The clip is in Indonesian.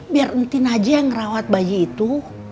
biar entiin aja yang ngerawat bayi itu